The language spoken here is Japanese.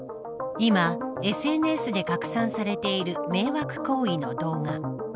今、ＳＮＳで拡散されている迷惑行為の動画。